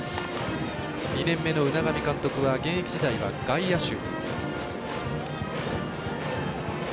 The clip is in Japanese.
２年目の海上監督は現役時代は外野手。